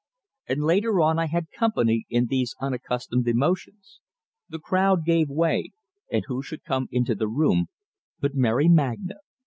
And later on I had company in these unaccustomed emotions; the crowd gave way, and who should come into the room but Mary Magna!